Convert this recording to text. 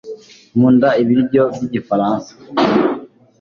nkunda ibiryo byigifaransa